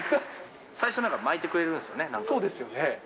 最初なんか巻いてくれるんでそうですよね。